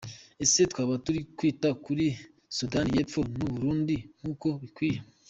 Ese twaba turi kwita kuri Sudani y’Epfo n’u Burundi nk’uko bikwiye?”.